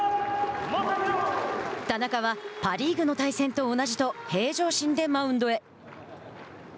パ・リーグの対戦と同じと平常心でマウンドへ。